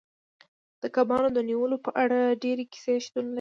د کبانو د نیولو په اړه ډیرې کیسې شتون لري